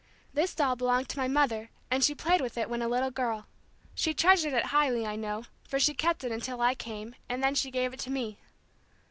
This doll belonged to my mother and she played with it when a little girl. She treasured it highly, I know, for she kept it until I came and then she gave it to me.